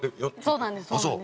そうなんです。